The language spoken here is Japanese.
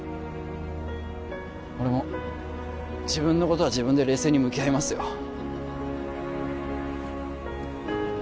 俺も自分のことは自分で冷静に向き合いますよ